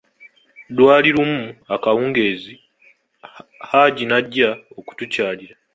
Lwali lumu, akawungeezi, Haji n'ajja okutukyalira.